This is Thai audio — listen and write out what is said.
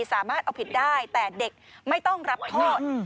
สามารถเอาผิดได้แต่เด็กไม่ต้องรับโทษ